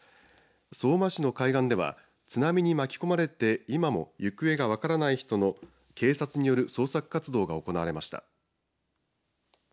相馬市の海岸では津波に巻き込まれて今も行方がわからない人の警察による捜索活動が行われました。